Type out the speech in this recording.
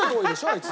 あいつ。